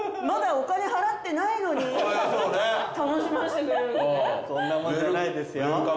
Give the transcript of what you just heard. まだお金払ってないのに楽しましてくれるんですね。